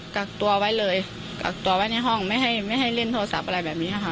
กักตัวไว้เลยกักตัวไว้ในห้องไม่ให้ไม่ให้เล่นโทรศัพท์อะไรแบบนี้ค่ะ